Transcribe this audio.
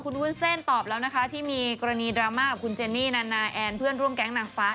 คุณวุ้นเส้นตอบแล้วนะคะที่มีกรณีดราม่ากับคุณเจนี่นานาแอนเพื่อนร่วมแก๊งนางฟ้า